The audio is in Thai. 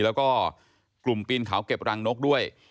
แล้วก็กลุ่มปีนเขาเก็บรังนกด้วย